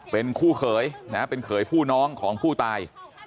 เป็นคู่เขยเป็นเขยผู้น้องของผู้ตาย